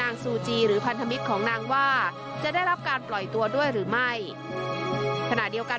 ซูจีหรือพันธมิตรของนางว่าจะได้รับการปล่อยตัวด้วยหรือไม่ขณะเดียวกัน